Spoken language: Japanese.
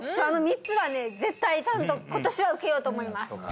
あの３つはね絶対ちゃんと今年は受けようと思います